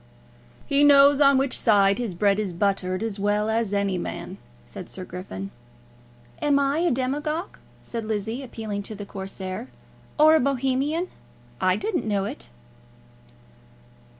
"He knows on which side his bread is buttered as well as any man," said Sir Griffin. "Am I a demagogue," said Lizzie, appealing to the Corsair, "or a Bohemian? I didn't know it."